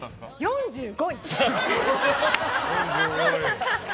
４５位！